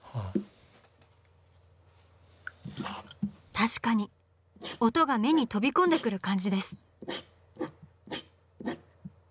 確かに音が目に飛び込んでくる感じです。